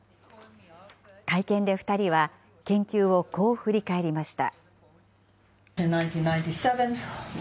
会見で２人は、研究をこう振り返りました。